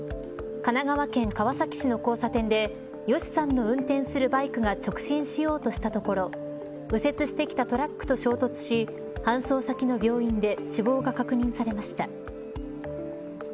神奈川県川崎市の交差点でＹＯＳＨＩさんの運転するバイクが直進しようとしたところ右折してきたトラックと衝突し搬送先の病院で死亡が確認されました。